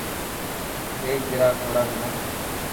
هيڪ گرا کوڙا منا.